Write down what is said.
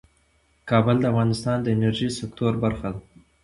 کابل د افغانستان د انرژۍ سکتور برخه ده.